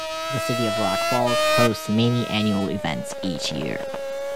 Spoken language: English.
The City of Rock Falls hosts many annual events each year.